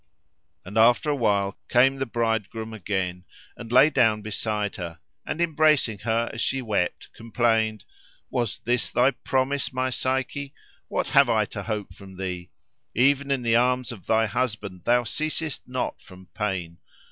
And after a while came the bridegroom again, and lay down beside her, and embracing her as she wept, complained, "Was this thy promise, my Psyche? What have I to hope from thee? Even in the arms of thy husband thou ceasest not from pain.